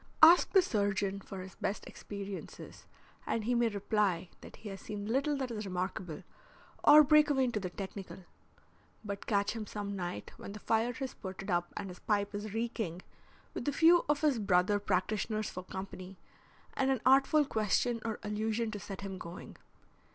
Ask the surgeon for his best experiences and he may reply that he has seen little that is remarkable, or break away into the technical. But catch him some night when the fire has spurted up and his pipe is reeking, with a few of his brother practitioners for company and an artful question or allusion to set him going.